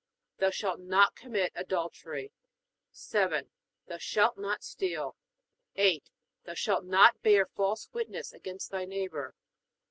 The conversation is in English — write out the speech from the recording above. Thou shalt not commit adultery. 7. Thou shalt not steal. 8. Thou shalt not bear false witness against thy neighbor.